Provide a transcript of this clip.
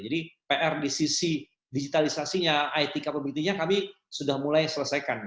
jadi pr di sisi digitalisasinya it kapabilitinya kami sudah mulai selesaikan